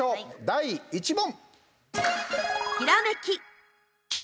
第１問。